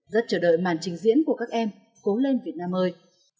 rất chờ đợi màn trình diễn của các em cố lên việt nam ơi